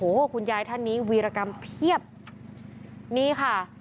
โอ้โหคุณยายท่านนี้วีรกรรมเพียบนี่ค่ะ